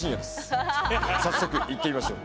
早速行ってみましょう。